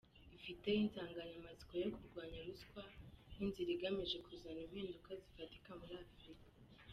Ifite insanganyamatsiko yo kurwanya ruswa, nk’inzira igamije kuzana impinduka zifatika muri Afurika.